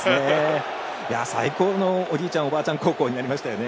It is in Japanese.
最高のおじいちゃんおばあちゃん孝行になりましたね。